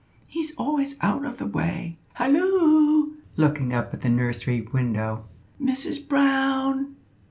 He's always out of the way. Halloo!" (looking up at the nursery window), "Mrs Brown!"